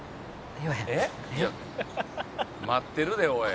えっ？」「待ってるでおい」